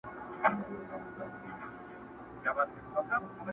دا مرغلري خریدار نه لري،